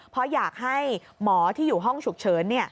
เพราะอยากให้หมอที่อยู่ห้องฉุกเฉิน